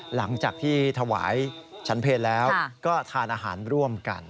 หลังจากที่ถวายฉันเพลแล้วก็ทานอาหารร่วมกัน